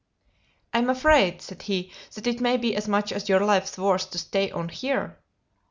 "I'm afraid," said he, "that it may be as much as your life's worth to stay on here!"